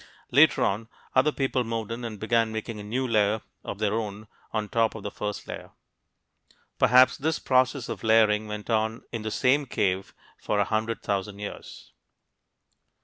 Later on, other people moved in and began making a new layer of their own on top of the first layer. Perhaps this process of layering went on in the same cave for a hundred thousand years; you can see what happened.